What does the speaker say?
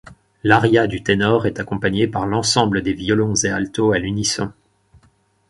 L'aria du ténor est accompagné par l'ensemble des violons et altos à l'unisson.